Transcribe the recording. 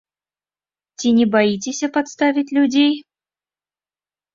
Ці не не баіцеся падставіць людзей?